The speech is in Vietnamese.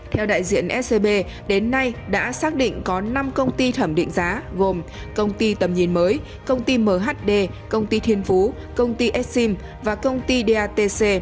theo đại diện scb đến nay đã xác định có năm công ty thẩm định giá gồm công ty tầm nhìn mới công ty mhd công ty thiên phú công ty s sim và công ty datc